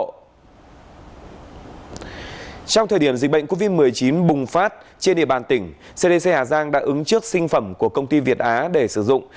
trong thời điểm dịch bệnh covid một mươi chín bùng phát trên địa bàn tỉnh cdc hà giang đã ứng trước sinh phẩm của công ty việt á để sử dụng